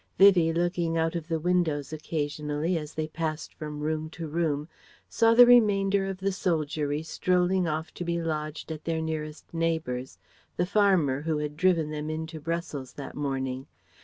Vivie looking out of the windows occasionally, as they passed from room to room, saw the remainder of the soldiery strolling off to be lodged at their nearest neighbour's, the farmer who had driven them in to Brussels that morning.